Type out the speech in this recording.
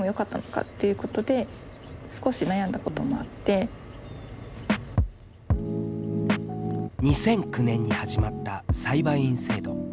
最初の通知が２００９年に始まった裁判員制度。